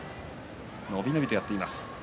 伸び伸びとやっています。